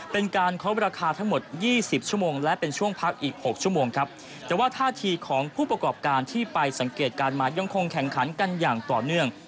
เป็นการครบราคาทั้งหมดยี่สิบชั่วโมงและเป็นช่วงพักอีกหกชั่วโมงครับแต่ว่าท่าทีของผู้ประกอบการที่ไปสังเกตการณ์มายังคงแข่งขันกันอย่างต่อเนื่อง